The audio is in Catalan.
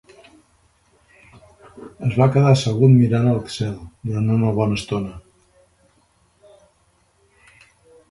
Es va quedar assegut mirant el cel durant una bona estona.